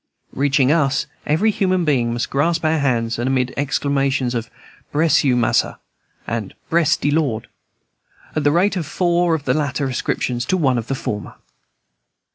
Reaching us, every human being must grasp our hands, amid exclamations of "Bress you, mas'r," and "Bress de Lord," at the rate of four of the latter ascriptions to one of the former.